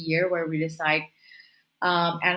setiap tahun di mana kita memutuskan